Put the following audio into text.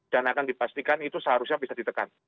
dan akan dipastikan itu seharusnya bisa ditekan